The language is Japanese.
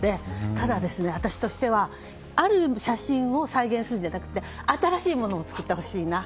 ただ、私としてはある写真を再現するんじゃなくて新しいものを作ってほしいな。